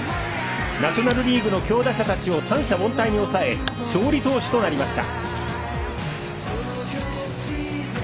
ナショナルリーグの強打者たちを三者凡退に抑え勝利投手となりました。